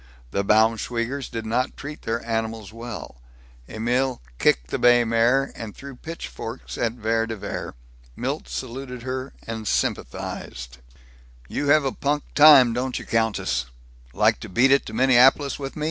The Baumschweigers did not treat their animals well; Emil kicked the bay mare, and threw pitchforks at Vere de Vere. Milt saluted her and sympathized: "You have a punk time, don't you, countess? Like to beat it to Minneapolis with me?"